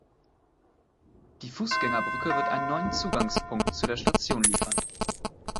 Die Fußgängerbrücke wird einen neuen Zugangspunkt zu der Station liefern.